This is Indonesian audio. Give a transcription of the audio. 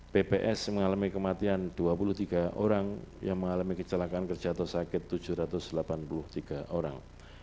pps mengalami kematian dua puluh tiga orang yang mengalami kecelakaan kerja atau sakit tujuh ratus delapan puluh tiga orang